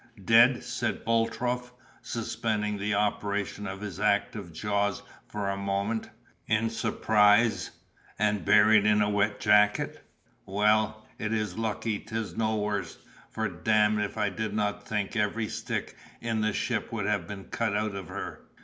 "Dead!" said Boltrope, suspending the operation of his active jaws for a moment, in surprise; "and buried in a wet jacket! Well, it is lucky 'tis no worse; for damme if I did not think every stick in the ship would have been cut out of her!"